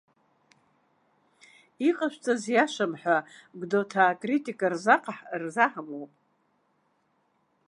Иҟашәҵаз иашам ҳәа, гәдоуҭаа акритика рзаҳамуп.